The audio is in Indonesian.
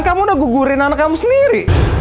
kamu udah gugurin anak kamu sendiri